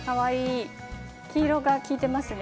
黄色が効いていますね。